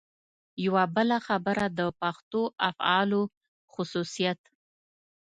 یوه بله خبره د پښتو افعالو خصوصیت.